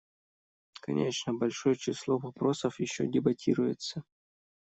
Конечно, большое число вопросов еще дебатируется.